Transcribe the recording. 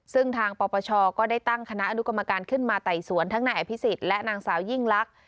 ซึ่งทางปปชก็ได้ตั้งคณะอนุกรรมการขึ้นมาไต่สวนทั้งนายอภิษฎและนางสาวยิ่งลักษณ